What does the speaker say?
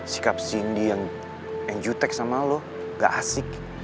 sikap cindy yang engjutax sama lo gak asik